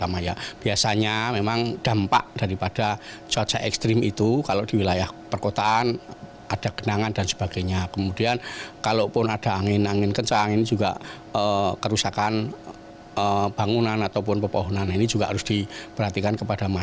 masyarakat terutama harus memperhatikan kondisi lingkungan